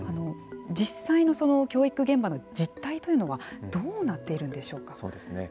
実際の教育現場の実態というのはどうなっているんでしょうか。